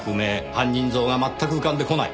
犯人像がまったく浮かんでこない。